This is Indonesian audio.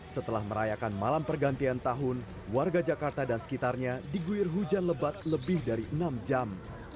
setelah merayakan malam pergantian tahun warga jakarta dan sekitarnya diguir hujan lebat lebih dari enam jam